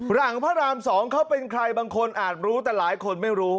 พระราม๒เขาเป็นใครบางคนอาจรู้แต่หลายคนไม่รู้